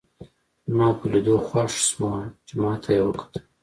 زما په لیدو خوښ شوه چې ما ته یې وکتل.